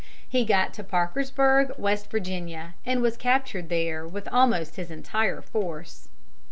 He got to Parkersburg, West Virginia, and was captured there with almost his entire force.